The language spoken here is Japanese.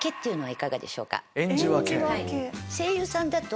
はい。